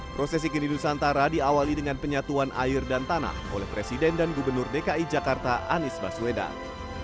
prosesi kendi nusantara diawali dengan penyatuan air dan tanah oleh presiden dan gubernur dki jakarta anies baswedan